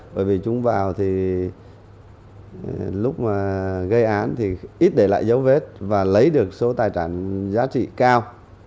bởi vì chúng vào thì lúc mà gây án thì ít để lại dấu vết và lấy được số tài sản giá trị cao